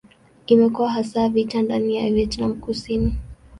Ilikuwa hasa vita ndani ya Vietnam Kusini.